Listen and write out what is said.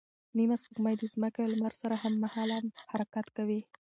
نیمه سپوږمۍ د ځمکې او لمر سره هممهاله حرکت کوي.